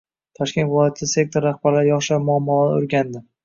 Toshkent viloyati sektor rahbarlari yoshlar muammolarini o‘rgandi